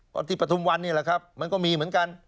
ก็ที่ปฐุมวันนี่แหละครับมันก็มีเหมือนกัน